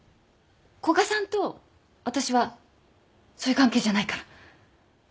古賀さんと私はそういう関係じゃないから。